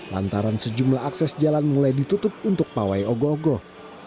lantaran sejumlah akses jalan mulai ditutup untuk pawai ogoh ogoh